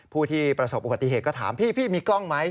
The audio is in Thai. ผู้ที่ประสบอุบัติเหตุก็ถามพี่พี่มีกล้องไหม